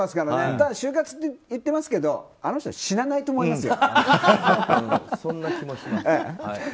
ただ終活って言ってますけどあの人、死なないと思いますよ。